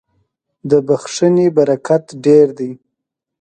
• د بښنې برکت ډېر دی.